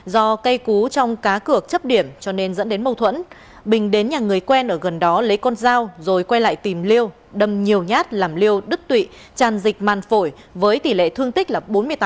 do cây cú trong cá cược điểm cho nên dẫn đến mâu thuẫn bình đến nhà người quen ở gần đó lấy con dao rồi quay lại tìm liêu đâm nhiều nhát làm liêu đứt tụy tràn dịch man phổi với tỷ lệ thương tích là bốn mươi tám